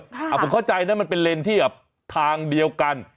ถนนขวางเอาไว้ด้วยอ่ะผมเข้าใจนะมันเป็นเลนส์ที่อ่ะทางเดียวกัน